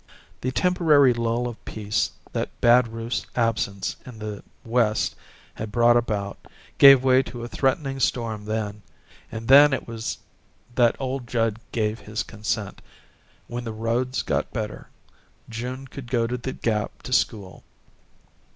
The temporary lull of peace that Bad Rufe's absence in the West had brought about, gave way to a threatening storm then, and then it was that old Judd gave his consent: when the roads got better, June could go to the Gap to school.